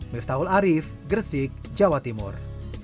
miftahul arief gresik jawa timur